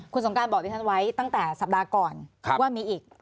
คุณสงการบอกดิฉันไว้ตั้งแต่สัปดาห์ก่อนว่ามีอีก